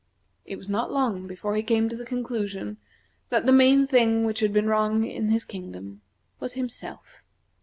It was not long before he came to the conclusion that the main thing which had been wrong in his kingdom was himself.